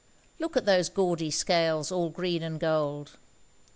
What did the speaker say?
look at those gaudy scales all green and gold.